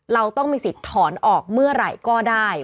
เราต้องมีสิทธิ์ถอนออกเมื่อไหร่ก็ได้